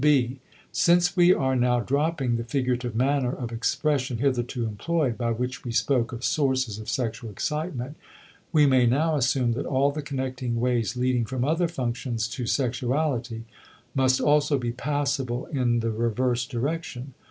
* (b) Since we are now dropping the figurative manner of expression hitherto employed, by which we spoke of sources of sexual excitement, we may now assume that all the connecting ways leading from other functions to sexuality must also be passable in the reverse direction.